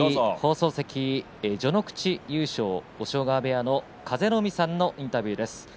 序ノ口優勝押尾川部屋の風の湖さんのインタビューです。